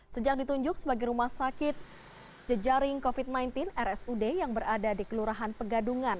sejak ditunjuk sebagai rumah sakit jejaring covid sembilan belas rsud yang berada di kelurahan pegadungan